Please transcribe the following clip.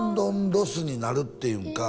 ロスになるっていうか